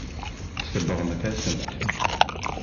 Tsebɣemt-asen-t.